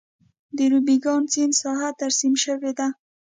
د روبیکان سیند ساحه ترسیم شوې ده.